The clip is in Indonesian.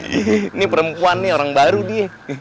ini perempuan nih orang baru dia